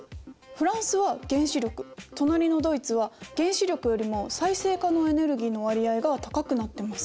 フランスは原子力隣のドイツは原子力よりも再生可能エネルギーの割合が高くなってます。